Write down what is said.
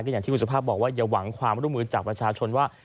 อย่างที่คุณสุภาพบอกว่าอย่าหวังความร่วมมือจากประชาชนว่า